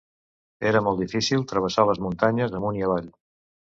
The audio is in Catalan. Era molt difícil travessar les muntanyes amunt i avall.